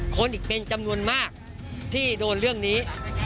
คนอีกเป็นจำนวนมากที่โดนเรื่องนี้